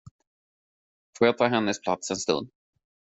Får jag ta hennes plats en stund?